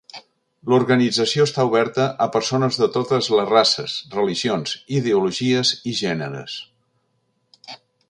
L'organització està oberta a persones de totes les races, religions, ideologies i gèneres.